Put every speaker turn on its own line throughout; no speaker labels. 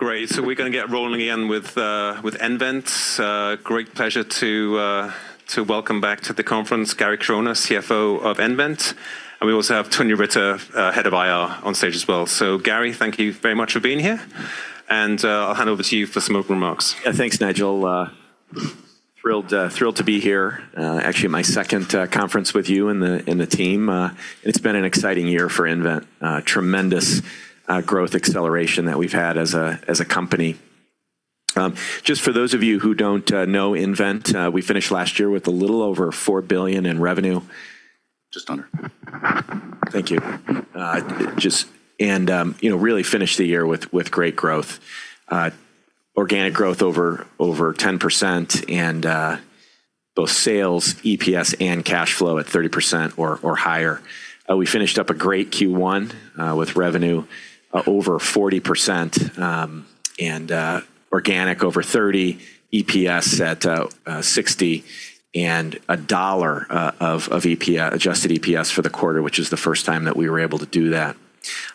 Great. We're gonna get rolling again with nVent. Great pleasure to welcome back to the conference Gary Corona, CFO of nVent, and we also have Tony Riter, Head of IR, on stage as well. Gary, thank you very much for being here, and I'll hand over to you for some opening remarks.
Yeah. Thanks, Nigel. Thrilled to be here. Actually my second conference with you and the team. It's been an exciting year for nVent. tremendous growth acceleration that we've had as a company. Just for those of you who don't know nVent, we finished last year with a little over $4 billion in revenue.
Just under.
Thank you. really finished the year with great growth. Organic growth over 10% and both sales, EPS and cash flow at 30% or higher. We finished up a great Q1 with revenue over 40%, and organic over 30%, EPS at $0.60 and $1.00 of adjusted EPS for the quarter, which is the first time that we were able to do that.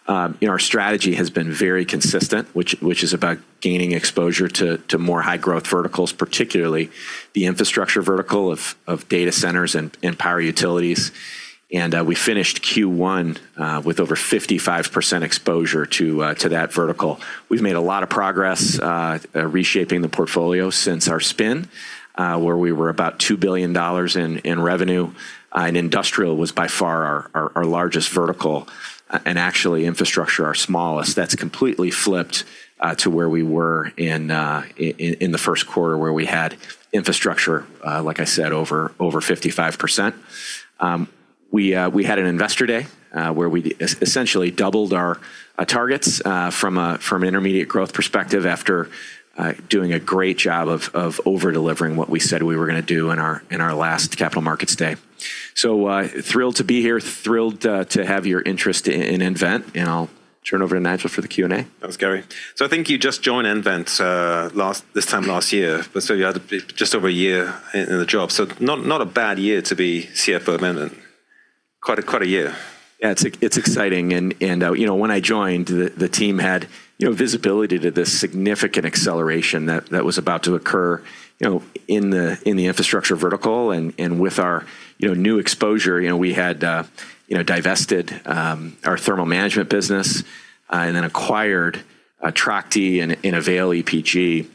Our strategy has been very consistent, which is about gaining exposure to more high growth verticals, particularly the infrastructure vertical of data centers and power utilities. We finished Q1 with over 55% exposure to that vertical. We've made a lot of progress reshaping the portfolio since our spin, where we were about $2 billion in revenue, and Industrial was by far our largest vertical, and actually infrastructure our smallest. That's completely flipped to where we were in the first quarter where we had infrastructure, like I said, over 55%. We had an Investor Day where we essentially doubled our targets from an intermediate growth perspective after doing a great job of over-delivering what we said we were gonna do in our last Capital Markets Day. Thrilled to be here, thrilled to have your interest in nVent, and I'll turn over to Nigel for the Q&A.
Thanks, Gary. I think you just joined nVent last, this time last year. You had just over a year in the job, not a bad year to be CFO at nVent. Quite a year.
Yeah, it's exciting and, you know, when I joined, the team had, you know, visibility to this significant acceleration that was about to occur, you know, in the infrastructure vertical and with our, you know, new exposure, you know, we had, you know, divested our Thermal Management business and then acquired Trachte and Avail EPG.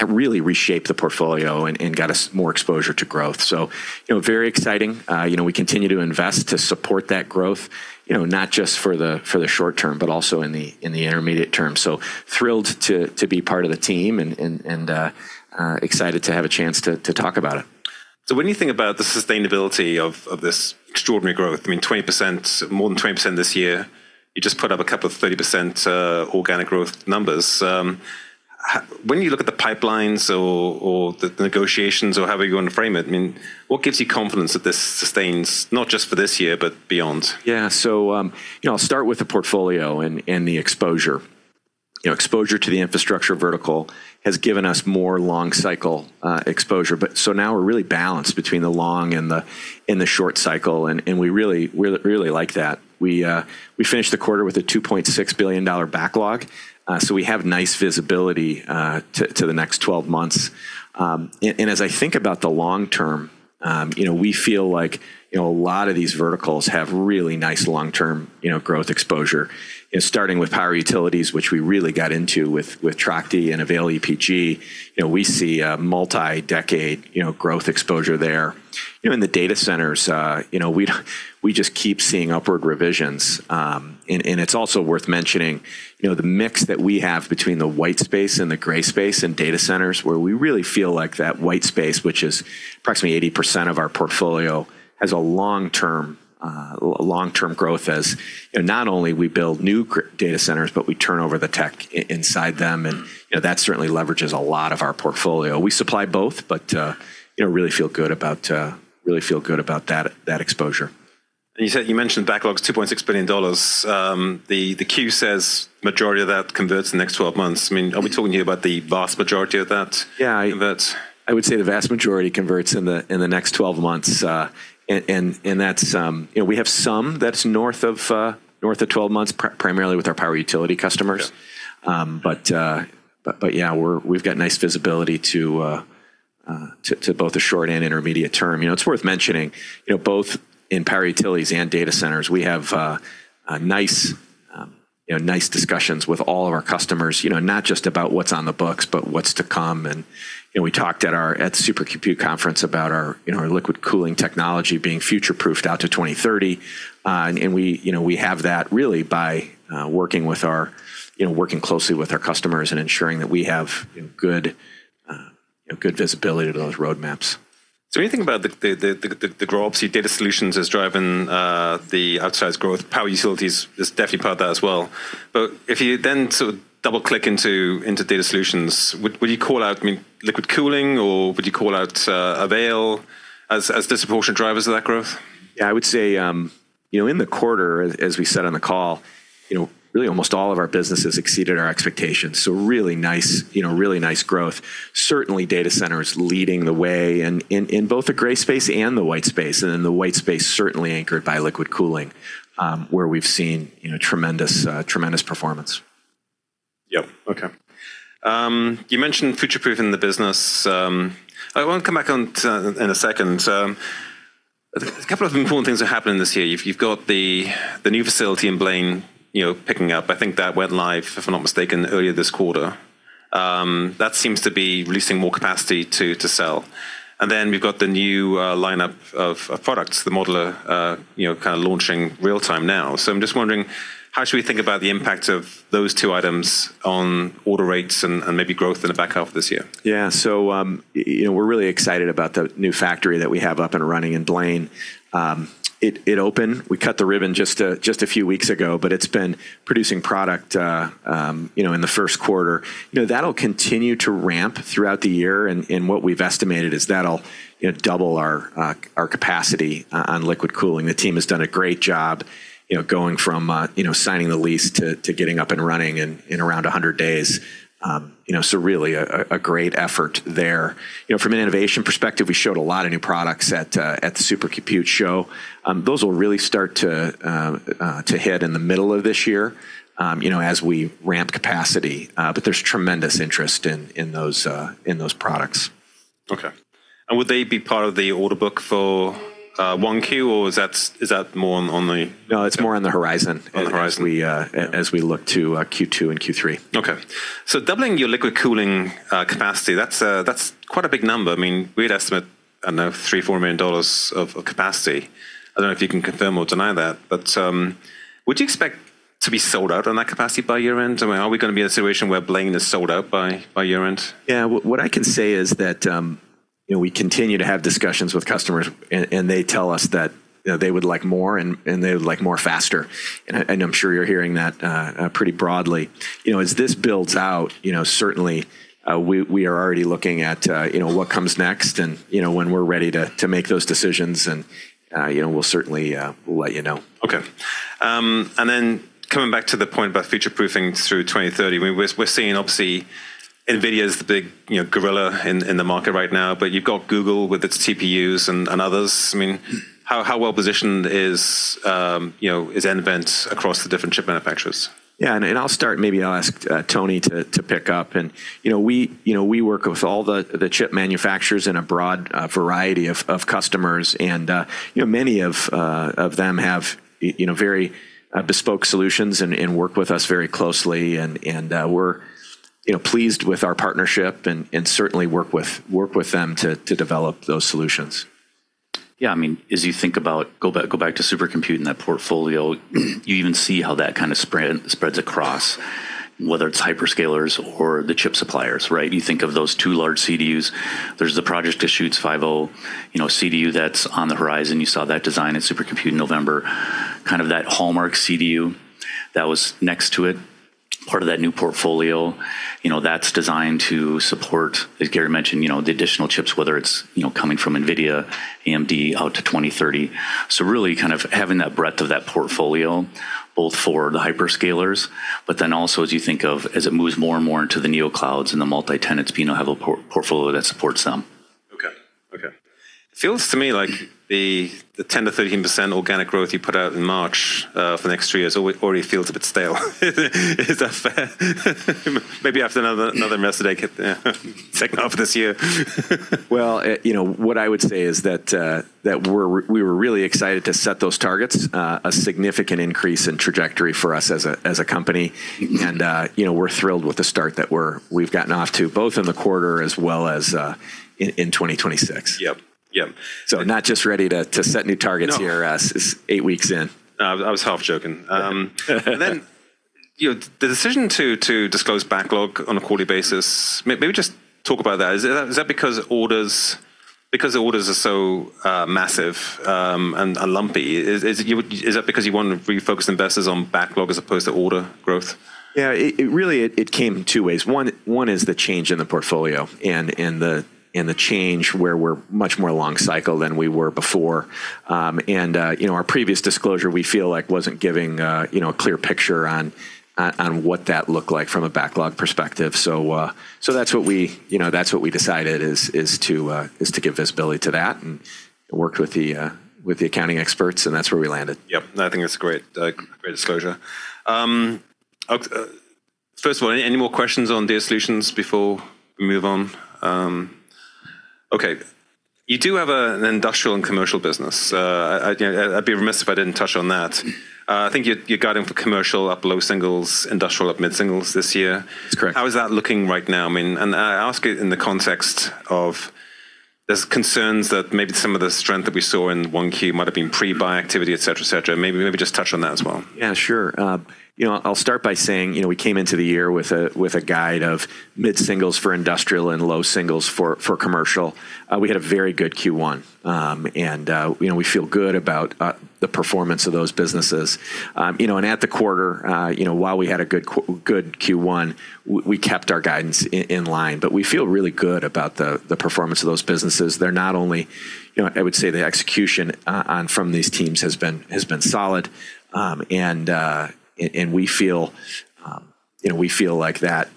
It really reshaped the portfolio and got us more exposure to growth. You know, very exciting. You know, we continue to invest to support that growth, you know, not just for the short term, but also in the intermediate term. Thrilled to be part of the team and excited to have a chance to talk about it.
When you think about the sustainability of this extraordinary growth, I mean, 20%, more than 20% this year, you just put up a couple of 30% organic growth numbers. When you look at the pipelines or the negotiations or however you wanna frame it, I mean, what gives you confidence that this sustains not just for this year but beyond?
Yeah. You know, I'll start with the portfolio and the exposure. You know, exposure to the infrastructure vertical has given us more long cycle exposure. Now we're really balanced between the long and the short cycle, and we really like that. We finished the quarter with a $2.6 billion backlog, we have nice visibility to the next 12 months. And as I think about the long term, you know, we feel like, you know, a lot of these verticals have really nice long-term, you know, growth exposure. You know, starting with power utilities, which we really got into with Trachte and Avail EPG, you know, we see a multi-decade, you know, growth exposure there. You know, in the data centers, you know, we just keep seeing upward revisions. It's also worth mentioning, you know, the mix that we have between the white space and the gray space in data centers where we really feel like that white space, which is approximately 80% of our portfolio, has a long-term growth as, you know, not only we build new data centers, but we turn over the tech inside them and, you know, that certainly leverages a lot of our portfolio. We supply both, you know, really feel good about that exposure.
You mentioned backlog's $2.6 billion. The Q says majority of that converts in the next 12 months. I mean, are we talking here about the vast majority of that?
Yeah
converts?
I would say the vast majority converts in the next 12 months, and that's You know, we have some that's north of, north of 12 months, primarily with our power utility customers.
Yeah.
Yeah, we're, we've got nice visibility to both the short and intermediate term. You know, it's worth mentioning, you know, both in power utilities and data centers, we have a nice, you know, nice discussions with all of our customers, you know, not just about what's on the books, but what's to come. You know, we talked at our, at the Supercomputing conference about our, you know, our liquid cooling technology being future-proofed out to 2030. We, you know, we have that really by working with our, you know, working closely with our customers and ensuring that we have, you know, good, you know, good visibility to those roadmaps.
When you think about the growth, obviously data solutions is driving the outsized growth. Power utilities is definitely part of that as well. If you then sort of double-click into data solutions, would you call out, I mean, liquid cooling or would you call out Avail as disproportionate drivers of that growth?
I would say, you know, in the quarter, as we said on the call, you know, really almost all of our businesses exceeded our expectations, so really nice, you know, really nice growth. Certainly, data centers leading the way and in both the gray space and the white space, and in the white space certainly anchored by liquid cooling, where we've seen, you know, tremendous performance.
Yeah. Okay. You mentioned future-proofing the business. I want to come back to it in a second. A couple of important things are happening this year. You've got the new facility in Blaine, you know, picking up. I think that went live, if I'm not mistaken, earlier this quarter. That seems to be releasing more capacity to sell. We've got the new lineup of products, the Modeler, you know, kind of launching real-time now. I'm just wondering, how should we think about the impact of those two items on order rates and maybe growth in the back half of this year?
You know, we're really excited about the new factory that we have up and running in Blaine. We cut the ribbon just a few weeks ago, but it's been producing product, you know, in the first quarter. That'll continue to ramp throughout the year, and what we've estimated is that'll, you know, double our capacity on liquid cooling. The team has done a great job, you know, going from, you know, signing the lease to getting up and running in around 100 days. Really a great effort there. From an innovation perspective, we showed a lot of new products at the Supercomputing show. Those will really start to hit in the middle of this year, you know, as we ramp capacity. There's tremendous interest in those products.
Okay. would they be part of the order book for, 1 Q, or is that more?
No, it's more on the horizon.
On the horizon.
as we look to, Q2 and Q3.
Doubling your liquid cooling capacity, that's quite a big number. I mean, we'd estimate, I don't know, $3 million-$4 million of capacity. I don't know if you can confirm or deny that. Would you expect to be sold out on that capacity by year-end? I mean, are we gonna be in a situation where Blaine is sold out by year-end?
Yeah. What I can say is that, you know, we continue to have discussions with customers and they tell us that, you know, they would like more and they would like more faster. I'm sure you're hearing that pretty broadly. You know, as this builds out, you know, certainly, we are already looking at, you know, what comes next and, you know, when we're ready to make those decisions and, you know, we'll certainly, we'll let you know.
Okay. Coming back to the point about future-proofing through 2030. We're seeing obviously NVIDIA's the big, you know, gorilla in the market right now, you've got Google with its TPUs and others. I mean, how well-positioned is, you know, is nVent across the different chip manufacturers?
Yeah. I'll start, maybe I'll ask Tony to pick up. You know, we, you know, we work with all the chip manufacturers in a broad variety of customers and you know, many of them have, you know, very bespoke solutions and work with us very closely and we're, you know, pleased with our partnership and certainly work with them to develop those solutions.
Yeah, I mean, as you think about go back to Supercomputing, that portfolio, you even see how that kind of spreads across, whether it's hyperscalers or the chip suppliers, right? You think of those two large CDUs. There's the Project Deschutes 5.0, you know, CDU that's on the horizon. You saw that design at Supercomputing November, kind of that hallmark CDU that was next to it, part of that new portfolio. You know, that's designed to support, as Gary mentioned, you know, the additional chips, whether it's, you know, coming from NVIDIA, AMD out to 2030. Really kind of having that breadth of that portfolio both for the hyperscalers, also as you think of as it moves more and more into the neoclouds and the multi-tenants, you know, have a portfolio that supports them.
Okay. Okay. It feels to me like the 10%-13% organic growth you put out in March for the next three years already feels a bit stale. Is that fair? Maybe after another mess day get taken off this year.
Well, you know, what I would say is that we were really excited to set those targets, a significant increase in trajectory for us as a company. You know, we're thrilled with the start that we've gotten off to, both in the quarter as well as in 2026.
Yep. Yep.
not just ready to set new targets here.
No
as eight weeks in.
No, I was half joking. You know, the decision to disclose backlog on a quarterly basis, maybe just talk about that. Is that because the orders are so massive and are lumpy, is it that because you want to refocus investors on backlog as opposed to order growth?
Yeah. It really came two ways. One is the change in the portfolio and the change where we're much more long cycle than we were before. You know, our previous disclosure, we feel like wasn't giving, you know, a clear picture on what that looked like from a backlog perspective. That's what we, you know, that's what we decided is to give visibility to that and worked with the accounting experts, and that's where we landed.
Yep. No, I think that's a great great disclosure. First of all, any more questions on data solutions before we move on? Okay. You do have an industrial and commercial business. I, you know, I'd be remiss if I didn't touch on that. I think you're guiding for commercial up low singles, industrial up mid singles this year.
That's correct.
How is that looking right now? I mean, I ask it in the context of there's concerns that maybe some of the strength that we saw in 1 Q might have been pre-buy activity, et cetera, et cetera. Maybe just touch on that as well.
Yeah, sure. You know, I'll start by saying, you know, we came into the year with a guide of mid singles for industrial and low singles for commercial. We had a very good Q1. You know, we feel good about the performance of those businesses. You know, at the quarter, you know, while we had a good Q1, we kept our guidance in line. We feel really good about the performance of those businesses. They're not only, you know, I would say the execution on from these teams has been solid. We feel, you know, we feel like that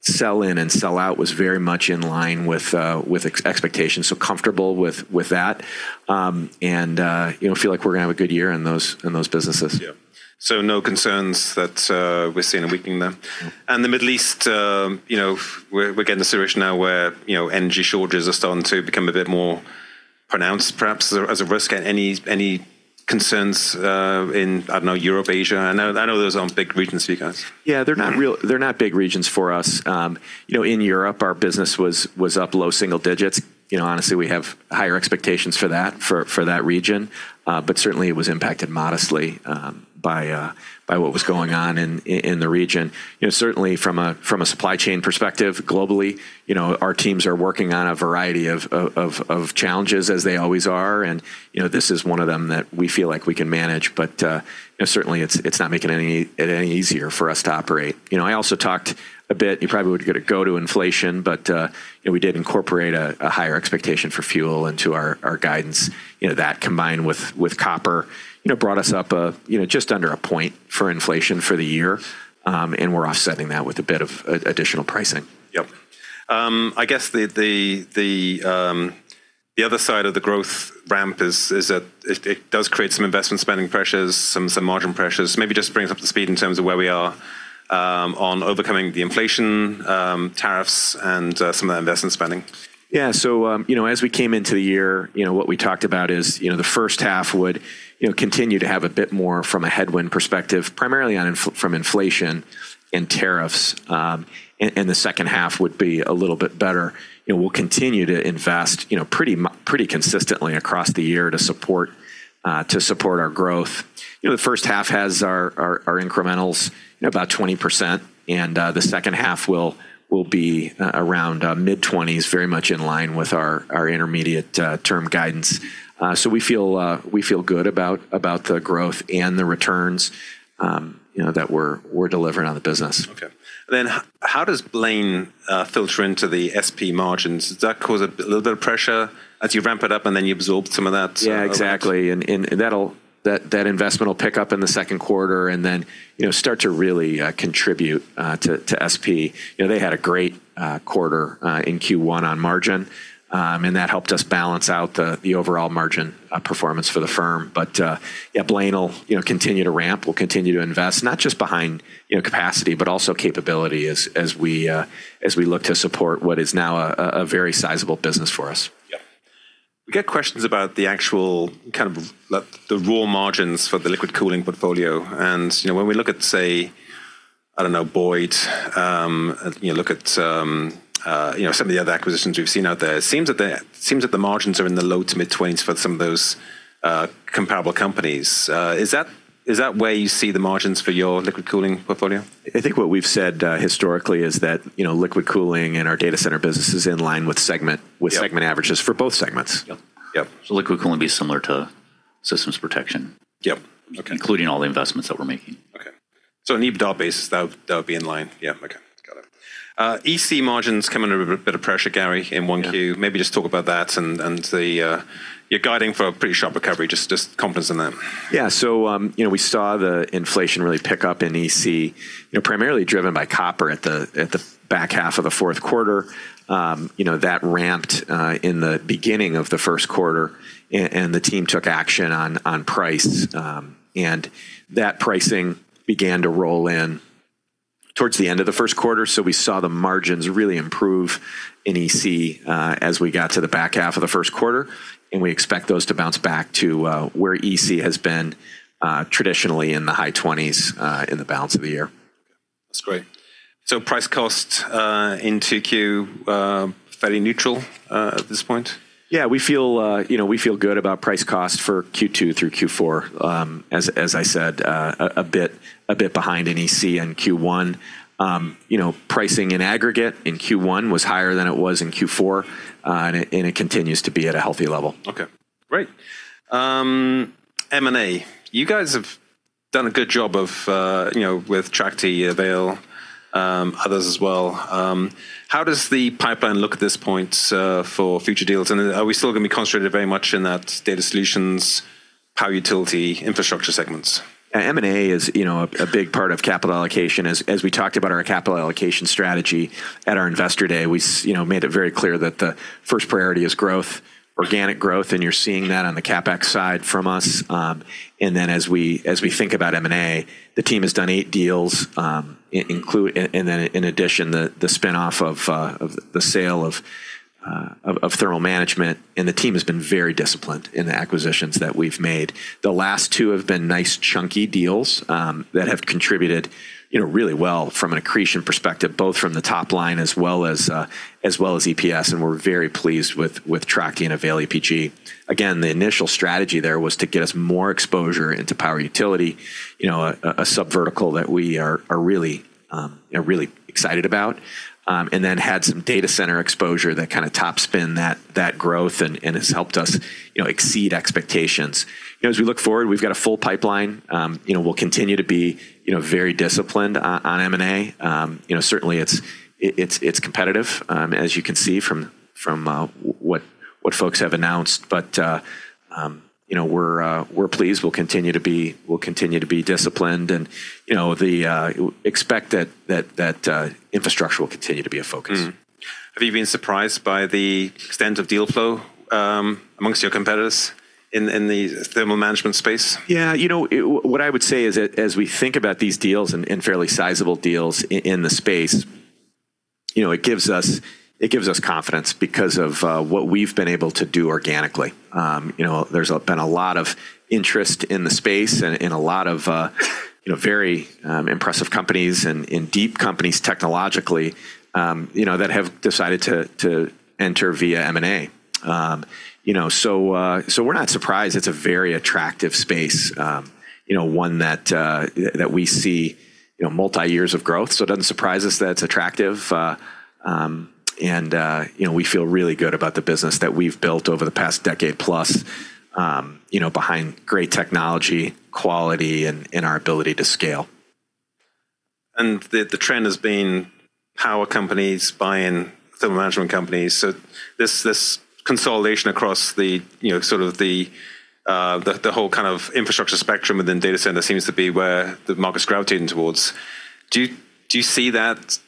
Sell-in and sell-out was very much in line with expectations, so comfortable with that. You know, feel like we're gonna have a good year in those businesses.
Yeah. No concerns that we're seeing a weakening there. In the Middle East, you know, we're getting the situation now where, you know, energy shortages are starting to become a bit more pronounced perhaps as a risk. Any concerns in, I don't know, Europe, Asia? I know those aren't big regions for you guys.
Yeah. They're not big regions for us. You know, in Europe, our business was up low single digits. You know, honestly, we have higher expectations for that region. Certainly it was impacted modestly by what was going on in the region. You know, certainly from a supply chain perspective globally, you know, our teams are working on a variety of challenges as they always are. You know, this is one of them that we feel like we can manage. You know, certainly it's not making any easier for us to operate. You know, I also talked a bit, you probably would get a go to inflation, but, you know, we did incorporate a higher expectation for fuel into our guidance. You know, that combined with copper, you know, brought us up, you know, just under 1 point for inflation for the year. We're offsetting that with a bit of additional pricing.
Yep. I guess the other side of the growth ramp is that it does create some investment spending pressures, some margin pressures. Maybe just bring us up to speed in terms of where we are on overcoming the inflation, tariffs, and some of the investment spending.
As we came into the year, you know, what we talked about is, you know, the first half would, you know, continue to have a bit more from a headwind perspective, primarily from inflation and tariffs. The second half would be a little bit better. You know, we'll continue to invest pretty consistently across the year to support our growth. You know, the first half has our incrementals about 20%, the second half will be around mid-20s, very much in line with our intermediate term guidance. We feel good about the growth and the returns that we're delivering on the business.
How does Blaine filter into the SP margins? Does that cause a little bit of pressure as you ramp it up, and then you absorb some of that?
Yeah, exactly. That investment will pick up in the second quarter then, you know, start to really contribute to SP. You know, they had a great quarter in Q1 on margin. That helped us balance out the overall margin performance for the firm. Yeah, Blaine will, you know, continue to ramp. We'll continue to invest, not just behind, you know, capacity, but also capability as we look to support what is now a very sizable business for us.
Yeah. We get questions about the actual kind of the raw margins for the liquid cooling portfolio. You know, when we look at, say, I don't know, Boyd, you know, look at some of the other acquisitions we've seen out there, it seems that the margins are in the low to mid-twenties for some of those comparable companies. Is that where you see the margins for your liquid cooling portfolio?
I think what we've said, historically is that, you know, liquid cooling and our data center business is in line with segment.
Yeah
with segment averages for both segments.
Yeah. Yeah.
Liquid cooling would be similar to systems protection.
Yeah. Okay.
Including all the investments that we're making.
Okay. On EBITDA basis, that would be in line.
Yeah.
Okay. Got it. EC margins come under a bit of pressure, Gary, in 1Q.
Yeah.
Maybe just talk about that and the. You're guiding for a pretty sharp recovery. Just conference on that.
Yeah. You know, we saw the inflation really pick up in EC, you know, primarily driven by copper at the back half of the fourth quarter. You know, that ramped in the beginning of the first quarter. The team took action on price. That pricing began to roll in towards the end of the first quarter. We saw the margins really improve in EC as we got to the back half of the first quarter, and we expect those to bounce back to where EC has been traditionally in the high 20s in the balance of the year.
That's great. Price cost in 2Q fairly neutral at this point?
Yeah. We feel, you know, we feel good about price cost for Q2 through Q4. As I said, a bit behind in EC in Q1. You know, pricing in aggregate in Q1 was higher than it was in Q4. It continues to be at a healthy level.
Okay, great. M&A. You guys have done a good job of, you know, with Trachte, Avail, others as well. How does the pipeline look at this point for future deals? Are we still gonna be concentrated very much in that data solutions, power utility, infrastructure segments?
M&A is, you know, a big part of capital allocation. As we talked about our capital allocation strategy at our investor day, we made it very clear that the first priority is growth, organic growth, and you're seeing that on the CapEx side from us. As we, as we think about M&A, the team has done 8 deals, in addition, the spin-off of the sale of Thermal Management, and the team has been very disciplined in the acquisitions that we've made. The last two have been nice chunky deals that have contributed, you know, really well from an accretion perspective, both from the top line as well as EPS, and we're very pleased with Trachte and Avail EPG. The initial strategy there was to get us more exposure into power utility, you know, a sub-vertical that we are really, you know, really excited about. Had some data center exposure that kinda top spin that growth and has helped us. You know, exceed expectations. You know, as we look forward, we've got a full pipeline. You know, we'll continue to be, you know, very disciplined on M&A. You know, certainly it's competitive, as you can see from what folks have announced. You know, we're pleased. We'll continue to be disciplined and, you know, we expect that infrastructure will continue to be a focus.
Have you been surprised by the extent of deal flow amongst your competitors in the thermal management space?
Yeah. You know, what I would say is as we think about these deals and fairly sizable deals in the space, you know, it gives us confidence because of what we've been able to do organically. You know, there's been a lot of interest in the space and a lot of, you know, very impressive companies and deep companies technologically, you know, that have decided to enter via M&A. You know, we're not surprised. It's a very attractive space, you know, one that we see, you know, multi years of growth. It doesn't surprise us that it's attractive. You know, we feel really good about the business that we've built over the past decade plus, you know, behind great technology, quality, and our ability to scale.
The trend has been power companies buying thermal management companies. This consolidation across the, you know, sort of the whole kind of infrastructure spectrum within data center seems to be where the market's gravitating towards. Do you see that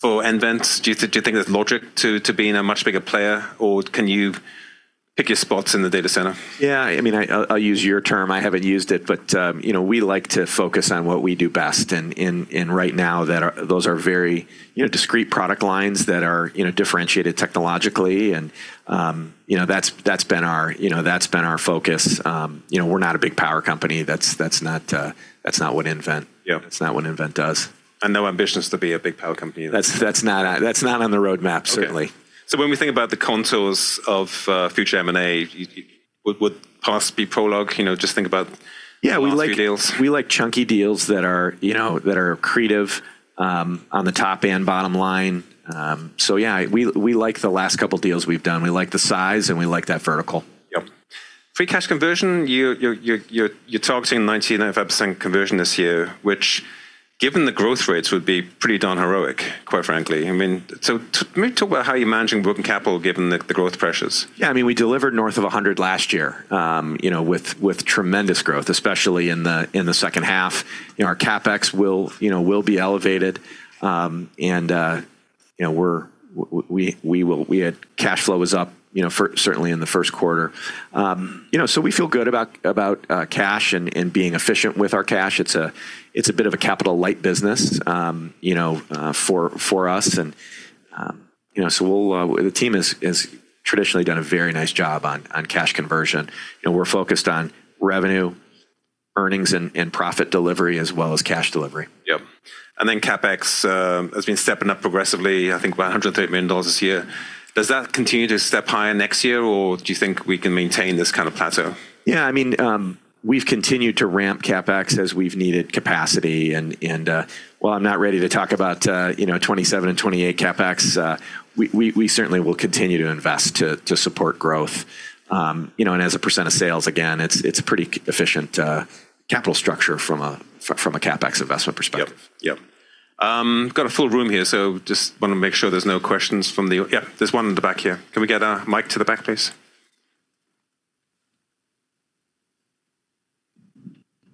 for nVent? Do you think there's logic to being a much bigger player, or can you pick your spots in the data center?
Yeah. I mean, I'll use your term. I haven't used it, but, you know, we like to focus on what we do best. Right now those are very, you know, discrete product lines that are, you know, differentiated technologically and, you know, that's been our, you know, that's been our focus. You know, we're not a big power company. That's not, that's not what nVent.
Yeah.
That's not what nVent does.
No ambitions to be a big power company.
That's not on the roadmap, certainly.
Okay. When we think about the contours of future M&A, would past be prologue?
Yeah, we like-
The last few deals.
We like chunky deals that are, you know, that are accretive, on the top and bottom line. Yeah, we like the last couple deals we've done. We like the size, and we like that vertical.
Yep. Free cash conversion, you're targeting 99.5% conversion this year, which given the growth rates would be pretty darn heroic, quite frankly. I mean, maybe talk about how you're managing working capital given the growth pressures.
Yeah, I mean, we delivered north of 100 last year, you know, with tremendous growth, especially in the, in the second half. You know, our CapEx will, you know, will be elevated. You know, we had cash flow was up, you know, certainly in the first quarter. You know, so we feel good about, cash and being efficient with our cash. It's a, it's a bit of a capital light business, you know, for us. You know, so we'll, the team has traditionally done a very nice job on cash conversion, and we're focused on revenue, earnings, and profit delivery as well as cash delivery.
Yep. CapEx has been stepping up progressively, I think by $130 million this year. Does that continue to step higher next year, or do you think we can maintain this kind of plateau?
Yeah, I mean, we've continued to ramp CapEx as we've needed capacity and, while I'm not ready to talk about, you know, 27 and 28 CapEx, we certainly will continue to invest to support growth. You know, and as a % of sales, again, it's pretty efficient capital structure from a CapEx investment perspective.
Yep. Yep. Got a full room here, so just wanna make sure there's no questions from the. There's one in the back here. Can we get a mic to the back, please?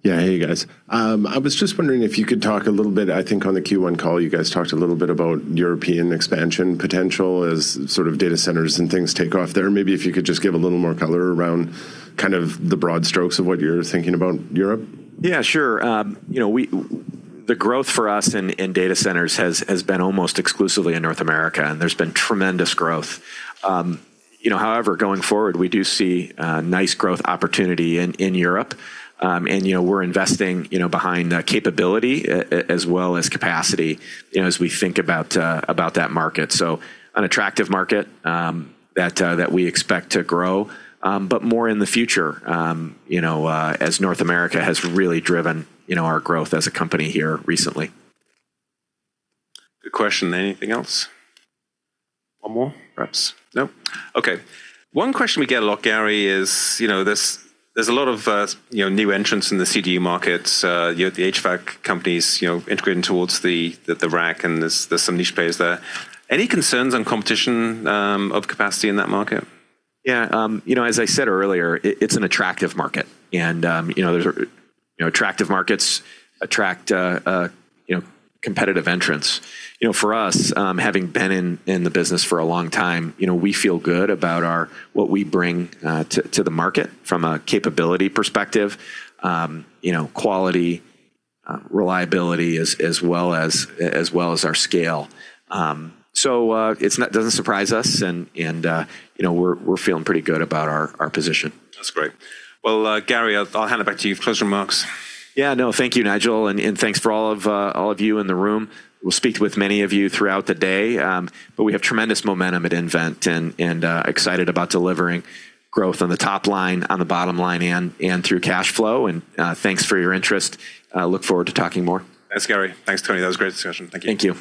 Yeah. Hey, guys. I was just wondering if you could talk a little bit, I think on the Q1 call, you guys talked a little bit about European expansion potential as sort of data centers and things take off there. Maybe if you could just give a little more color around kind of the broad strokes of what you're thinking about Europe.
Yeah, sure. You know, the growth for us in data centers has been almost exclusively in North America, and there's been tremendous growth. You know, however, going forward, we do see nice growth opportunity in Europe. You know, we're investing, you know, behind capability as well as capacity, you know, as we think about that market. An attractive market that we expect to grow, but more in the future, you know, as North America has really driven, you know, our growth as a company here recently.
Good question. Anything else? One more perhaps? Nope. Okay. One question we get a lot, Gary, is, you know, there's a lot of, you know, new entrants in the CDU markets, you know, the HVAC companies, you know, integrating towards the rack, and there's some niche players there. Any concerns on competition, of capacity in that market?
As I said earlier, it's an attractive market, and you know, attractive markets attract competitive entrants. For us, having been in the business for a long time, you know, we feel good about our what we bring to the market from a capability perspective, quality, reliability as well as our scale. It doesn't surprise us, and you know, we're feeling pretty good about our position.
That's great. Well, Gary, I'll hand it back to you for closing remarks.
Yeah, no, thank you, Nigel, and thanks for all of, all of you in the room. We'll speak with many of you throughout the day. We have tremendous momentum at nVent and excited about delivering growth on the top line, on the bottom line, and through cash flow. Thanks for your interest. Look forward to talking more.
Thanks, Gary. Thanks, Tony. That was a great discussion. Thank you.
Thank you.